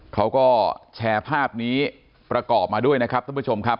เขาก็แชร์ภาพนี้ประกอบมาด้วยนะครับท่านผู้ชมครับ